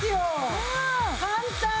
簡単！